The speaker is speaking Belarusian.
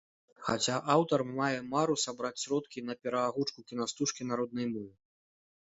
Хаця аўтар мае мару сабраць сродкі на пераагучку кінастужкі на роднай мове.